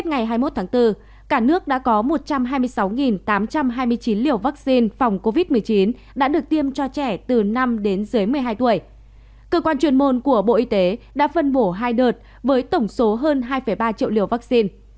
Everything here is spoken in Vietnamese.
cơ quan chuyên môn của bộ y tế đã phân bổ hai đợt với tổng số hơn hai ba triệu liều vaccine